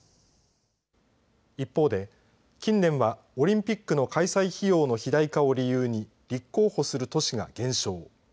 一方で、近年はオリンピックの開催費用の肥大化を理由に、立候補する都市が減少。